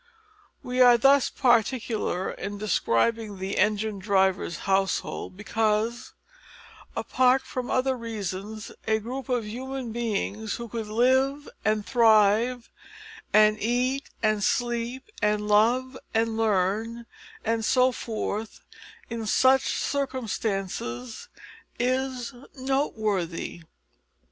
We are thus particular in describing the engine driver's household because, apart from other reasons, a group of human beings who could live, and thrive, and eat, and sleep, and love, and learn, and so forth, in such circumstances is noteworthy.